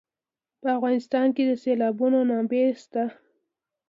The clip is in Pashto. په افغانستان کې د سیلابونه منابع شته.